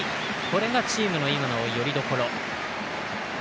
これがチームの今のよりどころ。